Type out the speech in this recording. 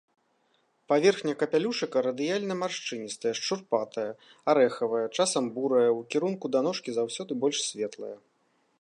Паверхня капялюшыка радыяльна-маршчыністая, шурпатая, арэхавая, часам бурая, у кірунку да ножкі заўсёды больш светлая.